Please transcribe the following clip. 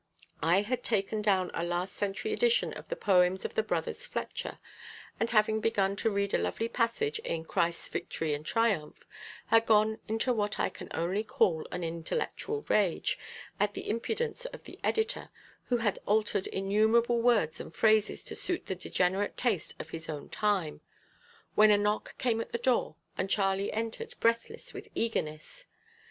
I had taken down a last century edition of the poems of the brothers Fletcher, and, having begun to read a lovely passage in "Christ's Victory and Triumph," had gone into what I can only call an intellectual rage, at the impudence of the editor, who had altered innumerable words and phrases to suit the degenerate taste of his own time, when a knock came to the door, and Charlie entered, breathless with eagerness.